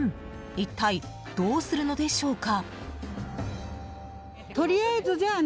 一体どうするのでしょうか。